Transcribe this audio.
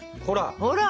ほら！